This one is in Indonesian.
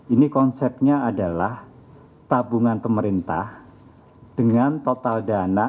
ini konsepnya adalah tabungan pemerintah dengan total dana